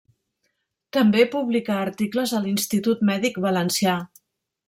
També publicà articles a l'Institut Mèdic Valencià.